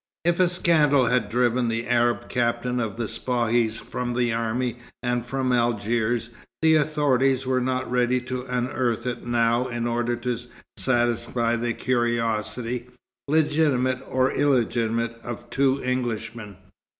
If a scandal had driven the Arab captain of Spahis from the army and from Algiers, the authorities were not ready to unearth it now in order to satisfy the curiosity, legitimate or illegitimate, of two Englishmen.